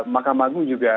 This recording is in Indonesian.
makam agung juga